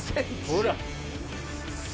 ほら。